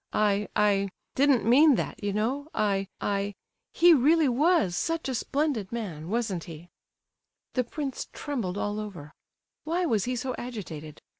I—I didn't mean that, you know—I—I—he really was such a splendid man, wasn't he?" The prince trembled all over. Why was he so agitated?